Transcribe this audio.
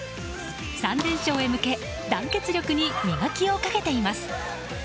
３連勝へ向け団結力に磨きをかけています。